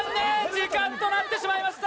時間となってしまいました。